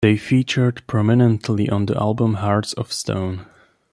They featured prominently on the album "Hearts Of Stone".